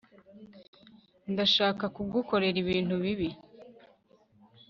ndashaka kugukorera ibintu bibi